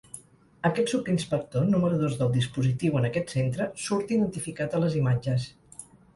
Aquest subinspector, número dos del dispositiu en aquest centre, surt identificat a les imatges.